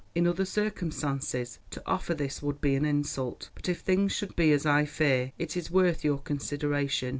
In other circumstances to offer this would be an insult, but if things should be as I fear, it is worth your consideration.